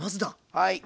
はい。